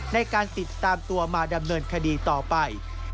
ในการติดตามตัวมาดำเนินคดีต่อไป